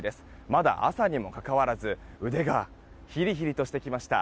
まだ朝にもかかわらず腕がひりひりとしてきました。